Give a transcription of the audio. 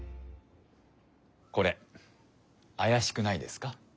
これあやしくないですか？